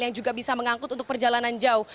yang juga bisa mengangkut untuk perjalanan jauh